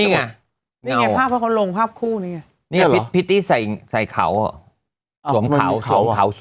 นี่ไงภาพเขาลงภาพคู่นี่ไงพิตตี้ใส่เขาสวมเขาสวมเขาสวมเขา